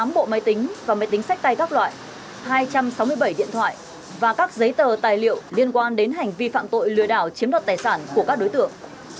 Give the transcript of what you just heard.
tám bộ máy tính và máy tính sách tay các loại hai trăm sáu mươi bảy điện thoại và các giấy tờ tài liệu liên quan đến hành vi phạm tội lừa đảo chiếm đoạt tài sản của các đối tượng